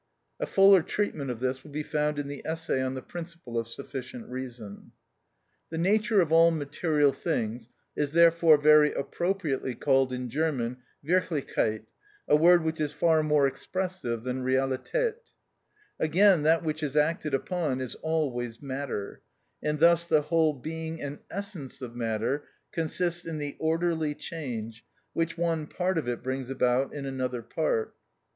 (A fuller treatment of this will be found in the essay on the Principle of Sufficient Reason, § 21, p. 77.) The nature of all material things is therefore very appropriately called in German Wirklichkeit,(6) a word which is far more expressive than Realität. Again, that which is acted upon is always matter, and thus the whole being and essence of matter consists in the orderly change, which one part of it brings about in another part.